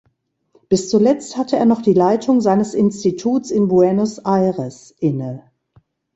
Bis zuletzt hatte er noch die Leitung seines Instituts in Buenos Aires inne.